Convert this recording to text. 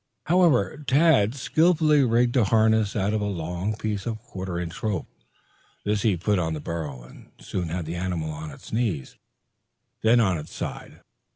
However, Tad skilfully rigged a harness out of a long piece of quarter inch rope. This he put on the burro, and soon had the animal on its knees, then on its side.